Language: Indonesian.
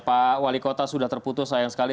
pak wali kota sudah terputus sayang sekali